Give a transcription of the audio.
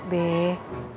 ngapa belok di situ